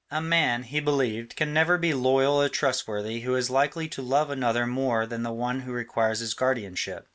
A man, he believed, can never be loyal or trustworthy who is likely to love another more than the one who requires his guardianship.